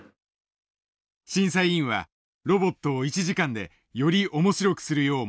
審査委員はロボットを１時間でより面白くするよう求めた。